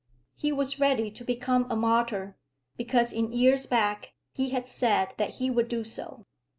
He was ready to become a martyr, because in years back he had said that he would do so.